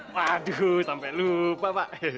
waduh sampe lupa pak